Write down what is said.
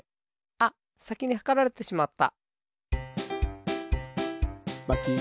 あっさきにはかられてしまった。